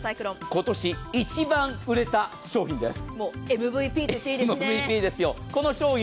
今年一番売れた商品です。